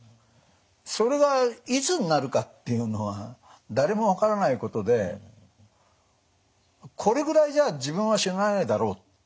それがいつになるかっていうのは誰も分からないことでこれぐらいじゃ自分は死なないだろうって